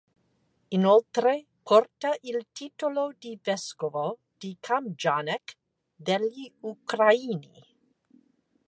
Inoltre porta il titolo di vescovo di Kam"janec' degli Ucraini.